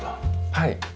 はい。